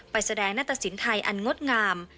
ไปแสดงหน้าตะสินไทยอันงดงาม